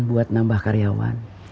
buat nambah karyawan